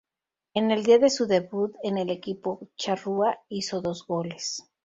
En el día de su debut en el equipo charrúa hizo dos goles.